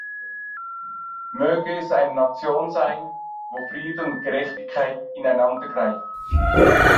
Möge es eine Nation sein, wo Frieden und Gerechtigkeit ineinander greifen.